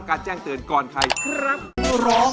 คุณชัยและน้องเก่งร้อง